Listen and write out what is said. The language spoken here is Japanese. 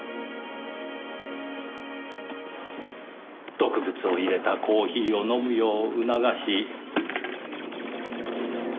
毒物を入れたコーヒーを飲むよう促し。